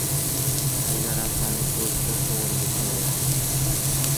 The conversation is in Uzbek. Qayda ravshan bo‘lsa to‘g‘rilik nuri